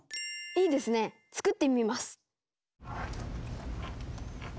いいですね作ってみます。